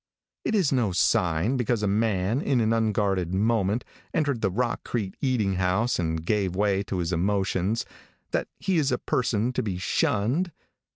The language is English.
It is no sign because a man in an unguarded moment entered the Rock Creek eating house and gave way to his emotions, that he is a person to be shunned.